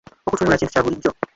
Okutunula kintu kya bulijjo.